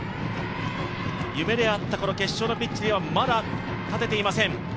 夢であったこの決勝のピッチにはまだ立てていません。